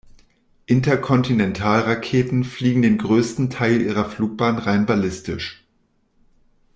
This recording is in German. Interkontinentalraketen fliegen den größten Teil ihrer Flugbahn rein ballistisch.